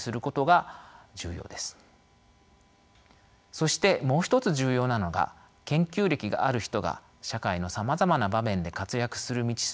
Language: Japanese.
そしてもう一つ重要なのが研究歴がある人が社会のさまざまな場面で活躍する道筋を拡充することです。